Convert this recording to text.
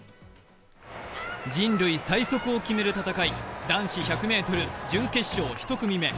人類最速を決める戦い男子１００ｍ準決勝１組目。